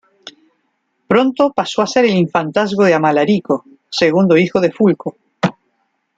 Pronto pasó a ser el infantazgo de Amalarico, segundo hijo de Fulco.